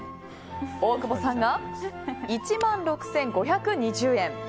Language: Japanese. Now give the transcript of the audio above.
大久保さんが１万６５２０円。